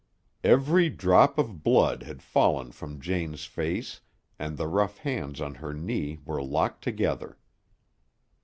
Every drop of blood had fallen from Jane's face and the rough hands on her knee were locked together.